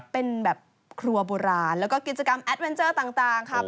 เป็นแบบครัวโบราณแล้วก็กิจกรรมแอดเวนเจอร์ต่างค่ะ